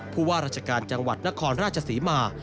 ผู้ว่าราชการจังหวัดนครราชศรีมา